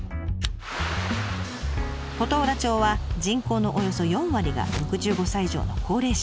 琴浦町は人口のおよそ４割が６５歳以上の高齢者。